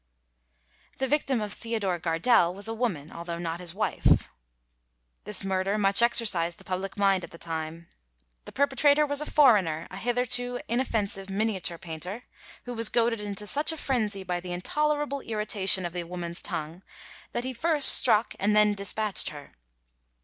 The victim of Theodore Gardelle was a woman, although not his wife. This murder much exercised the public mind at the time. The perpetrator was a foreigner, a hitherto inoffensive miniature painter, who was goaded into such a frenzy by the intolerable irritation of the woman's tongue, that he first struck and then despatched her.